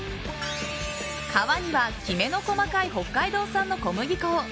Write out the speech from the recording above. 皮には、きめの細かい北海道産の小麦粉を。